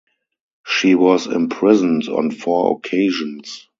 She was imprisoned on four occasions.